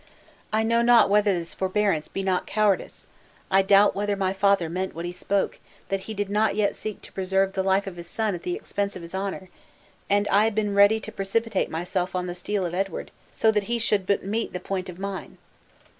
I know not whether this forbearance be not cowardice. I doubt whether my father meant what he spoke, that he did not yet seek to preserve the life of his son at the expense of his honor, and I have been ready to precipitate myself on the steel of Edward, so that he should but meet the point of mine!"